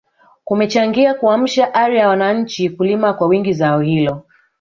kumechangia kuamsha ari ya wananchi kulima kwa wingi zao hilo